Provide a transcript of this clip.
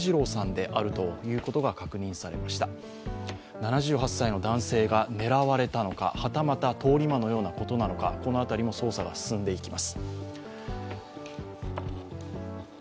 ７８歳の男性が狙われたのか、はたまた通り魔のようなことなのかこの辺りも捜査が進んでいきます。